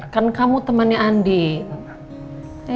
kan kamu temannya andien